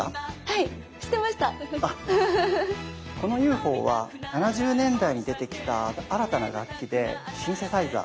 このＵＦＯは７０年代に出てきた新たな楽器でシンセサイザー。